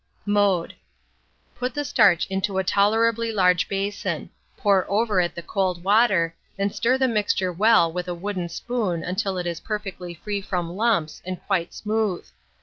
Mode. Put the starch into a tolerably large basin; pour over it the cold water, and stir the mixture well with a wooden spoon until it is perfectly free from lumps, and quite smooth.